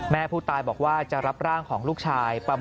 แม่ผู้ตายบอกว่าจะรับร่างของลูกชาย